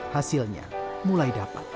hasilnya mulai dapat